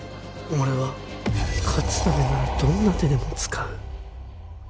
俺は勝つためならどんな手でも使う。